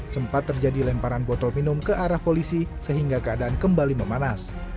sempat terjadi lemparan botol minum ke arah polisi sehingga keadaan kembali memanas